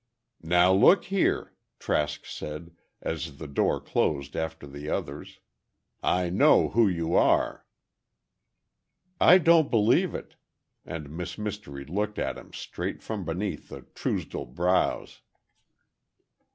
"Now, look here," Trask said, as the door closed after the others, "I know who you are." "I don't believe it," and Miss Mystery looked at him straight from beneath the "Truesdell brows."